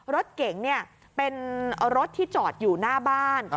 รถเก๋งเป็นรถที่จอดอยู่หน้าบ้าน